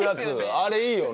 あれいいよな。